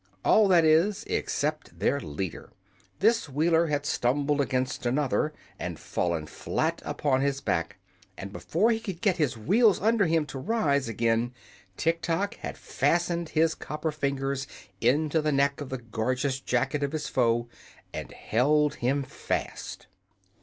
All, that is, except their leader. This Wheeler had stumbled against another and fallen flat upon his back, and before he could get his wheels under him to rise again, Tiktok had fastened his copper fingers into the neck of the gorgeous jacket of his foe and held him fast.